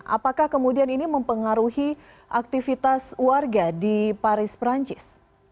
apakah kemudian ini mempengaruhi aktivitas warga di paris perancis